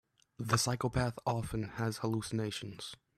The psychopath often has hallucinations.